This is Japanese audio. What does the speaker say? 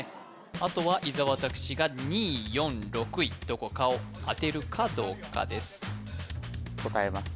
あとは伊沢拓司が２位４位６位どこかを当てるかどうかです答えます